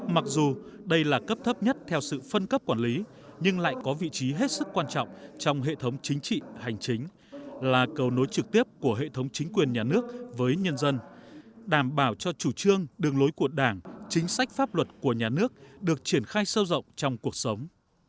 mặc dù đây là cấp thấp nhất theo sự phân cấp quản lý nhưng lại có vị trí hết sức quan trọng trong hệ thống chính trị hành chính là cầu nối trực tiếp của hệ thống chính quyền nhà nước với nhân dân đảm bảo cho chủ trương đường lối của đảng chính sách pháp luật của nhà nước được triển khai sâu rộng trong cuộc sống